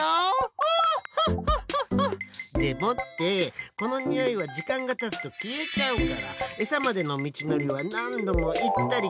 オホッホッホッホッ！でもってこのにおいはじかんがたつときえちゃうからえさまでのみちのりはなんどもいったりきたりくりかえすのよ。